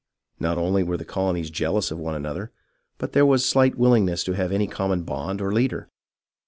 Not only were the colonies jealous of one another, but there was slight willingness to have any common bond or leader.